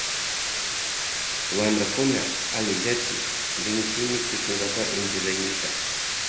Wamprakuna alliyachi rinchimi tushunkapa inti raymita.